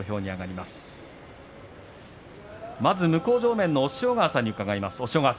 まず向正面の押尾川さんに伺います。